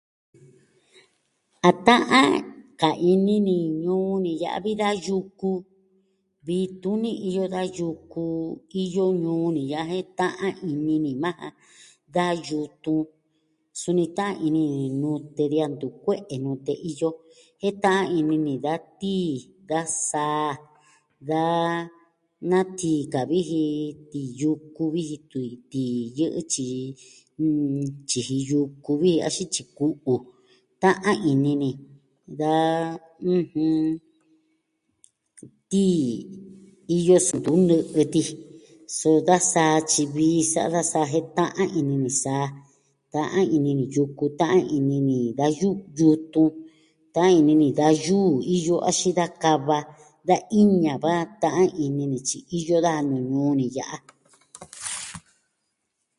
A ta'an ka ini ni ñuu ni ya'a vi da yuku. Vii tuni iyo da yuku iyo ñuu ni ya'a jen ta'an ini ni majan. Da yutun, suni ta'an ini ni nute de a ntu kue'e nute iyo. Jen ta'an ini ni da tii, da saa, da... na tii ka vi ji tii yuku vi ji tun iin tii yɨ'ɨ tyiji... tyiji yuku vi axin tyiji ku'u, ta'an ini ni da, ɨjɨn... iyo suu tun nɨ'ɨ tii, so da saa tyi vii sa'a da saa jen ta'an ini ni saa. Ta'an ini ni yuku, ta'an ini ni da yu... yutun. Ta'an ini ni da yuu iyo axin da kava. Da iña va ta'an ini ni tyi iyo daja nuu ñuu ni ya'a.